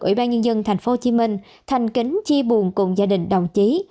ủy ban nhân dân tp hcm thành kính chia buồn cùng gia đình đồng chí